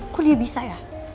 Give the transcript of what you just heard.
kok dia bisa ya